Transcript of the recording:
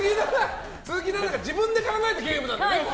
鈴木奈々が自分で考えたゲームなんだよね。